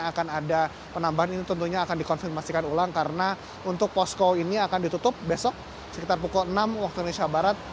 akan ada penambahan ini tentunya akan dikonfirmasikan ulang karena untuk posko ini akan ditutup besok sekitar pukul enam waktu indonesia barat